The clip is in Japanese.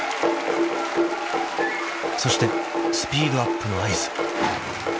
［そしてスピードアップの合図］